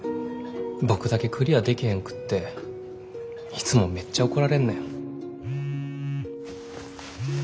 僕だけクリアでけへんくっていつもめっちゃ怒られんねん。